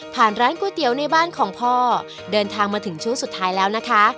ร้านก๋วยเตี๋ยวในบ้านของพ่อเดินทางมาถึงช่วงสุดท้ายแล้วนะคะ